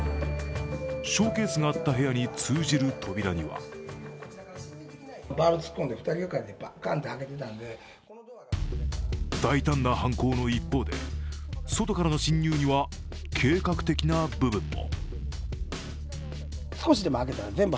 ショーケースがあった部屋に通じる扉には大胆な犯行の一方で外からの侵入には計画的な部分も。